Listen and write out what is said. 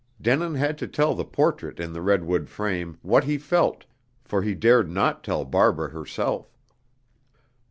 Denin had to tell the portrait in the redwood frame, what he felt, for he dared not tell Barbara herself.